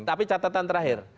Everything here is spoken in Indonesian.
tapi catatan terakhir